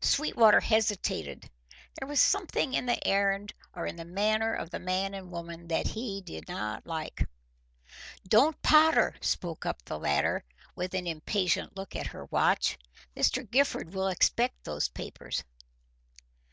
Sweetwater hesitated. There was something in the errand or in the manner of the man and woman that he did not like. "Don't potter!" spoke up the latter, with an impatient look at her watch. "Mr. Gifford will expect those papers."